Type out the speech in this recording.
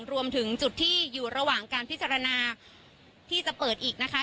รวมถึงจุดที่อยู่ระหว่างการพิจารณาที่จะเปิดอีกนะคะ